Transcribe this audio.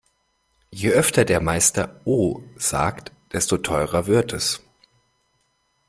Je öfter der Meister "oh" sagt, desto teurer wird es.